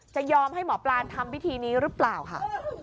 จะยอมให้หมอปลาทำพิธีนี้หรือเปล่าค่ะ